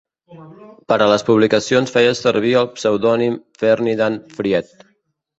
Per a les publicacions feia servir el pseudònim "Ferdinand Fried".